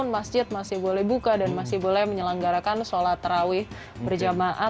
masjid masih boleh buka dan masih boleh menyelenggarakan sholat terawih berjamaah